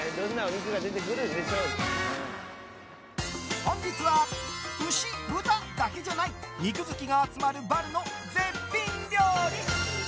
本日は、牛・豚だけじゃない肉好きが集まるバルの絶品料理。